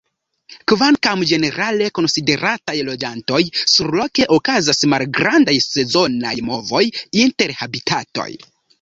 Kvankam ĝenerale konsiderataj loĝantoj, surloke okazas malgrandaj sezonaj movoj inter habitatoj.